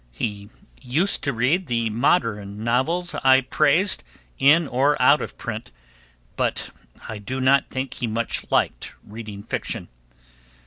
He used to read the modern novels I praised, in or out of print; but I do not think he much liked reading fiction.